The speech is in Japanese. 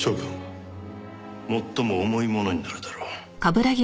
最も重いものになるだろう。